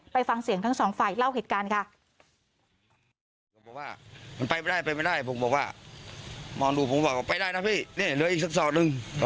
ฟังเสียงทั้งสองฝ่ายเล่าเหตุการณ์ค่ะ